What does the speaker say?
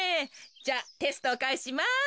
じゃあテストをかえします。